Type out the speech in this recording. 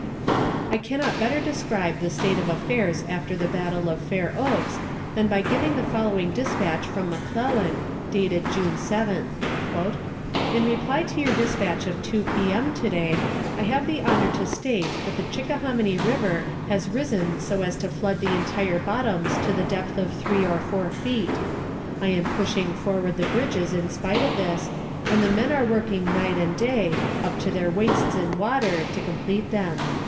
I cannot better describe the state of affairs after the battle of Fair Oaks than by giving the following despatch from McClellan, dated June 7th: "In reply to your despatch of 2 p. m. to day, I have the honor to state that the Chickahominy river has risen so as to flood the entire bottoms to the depth of three or four feet; I am pushing forward the bridges in spite of this, and the men are working night and day, up to their waists in water, to complete them.